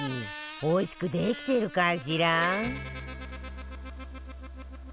おいしくできてるかしら？